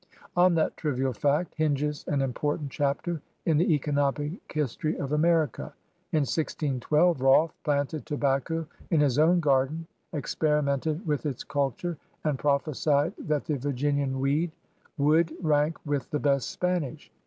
On that trivial fact hinges an important chapter in the economic history of America. In 1612 Rolf e planted tobacco in his own garden, «q>erimented with its culture, and prophesied that the Virginian Weed would rank with the best Spanish.